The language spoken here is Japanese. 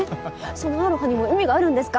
そのアロハにも意味があるんですか？